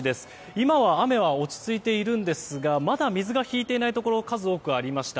今は雨は落ち着いているんですがまだ水が引いていないところ数多くありました。